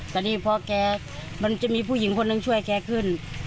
แต่นี่พอแกมันจะมีผู้หญิงคนหนึ่งช่วยแกขึ้น